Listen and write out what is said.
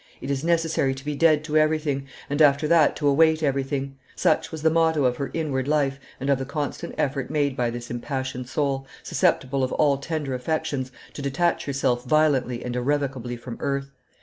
"It is necessary to be dead to everything, and after that to await everything; such was the motto of her inward life and of the constant effort made by this impassioned soul, susceptible of all tender affections, to detach herself violently and irrevocably from earth.